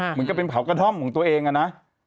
เหมือนกับเป็นเผากระท่อมของตัวเองอะนะ